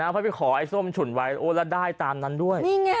เพราะไปขอไอ้ส้มฉุนไว้แล้วได้ตามนั้นด้วย